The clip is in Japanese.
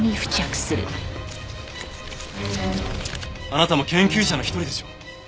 あなたも研究者の一人でしょ？